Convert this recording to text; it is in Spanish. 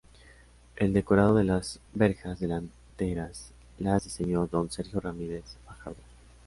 El decorado de las verjas delanteras las diseñó don Sergio Ramírez Fajardo.